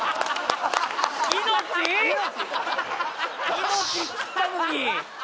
命っつったのに！